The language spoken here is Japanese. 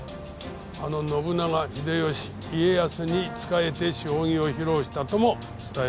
あの信長秀吉家康に仕えて将棋を披露したとも伝えられている。